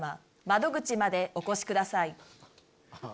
窓口までお越しください。